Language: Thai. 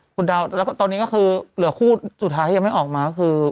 คุณดาวแล้วตอนนี้ก็คือเหลือคู่สุดท้ายที่ยังไม่ออกมาก็คือ